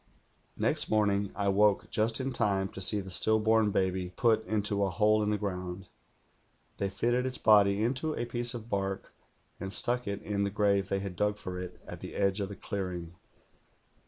"Next morning I woke just in time to see the still born baby put into a hole in the ground. They fitted its body into a piece of bark, and stuck it in the grave they had dug for it at the edge of the clear ing.